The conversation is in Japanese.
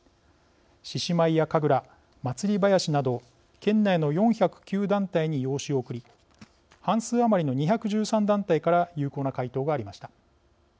獅子舞や神楽、祭り囃子など県内の４０９団体に用紙を送り半数余りの２１３団体から有効な回答がありました。